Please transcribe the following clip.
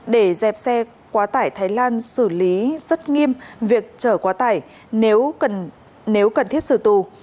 để dẹp xe quá tải thái lan xử lý rất nghiêm việc chở quá tải nếu cần thiết xử tù